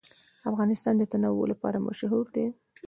افغانستان د تنوع لپاره مشهور دی.